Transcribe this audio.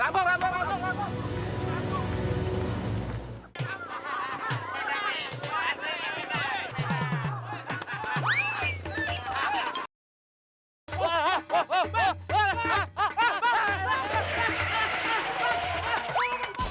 lambung lambung lambung